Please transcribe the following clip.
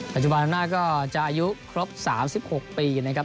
ปัจจุบันอำนาจก็จะอายุครบ๓๖ปีนะครับ